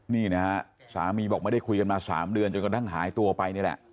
นี่นะฮะสามีบอกไม่ได้คุยกันมา๓เดือนจนกระทั่งหายตัวไปนี่แหละ